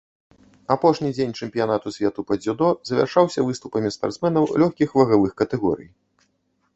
Апошні дзень чэмпіянату свету па дзюдо завяршаўся выступамі спартсменаў лёгкіх вагавых катэгорый.